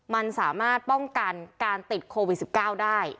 มันสามารถป้องกันการติดโควิด๑๙ได้